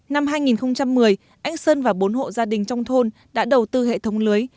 năm hai nghìn một mươi anh sơn và bốn hộ gia đình trong thôn đã đầu tư hệ thống lưới